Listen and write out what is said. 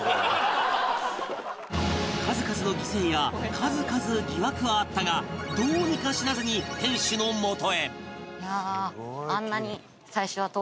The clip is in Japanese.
数々の犠牲や数々疑惑はあったがどうにか死なずに天守の元へ